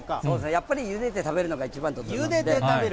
やっぱりゆでて食べるのが一ゆでて食べる。